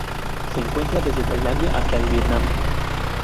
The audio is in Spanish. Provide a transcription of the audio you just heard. Se encuentra desde Tailandia hasta el Vietnam.